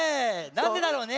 「なんでだろう」ね？